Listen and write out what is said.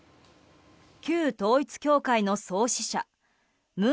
旧統一教会の創始者文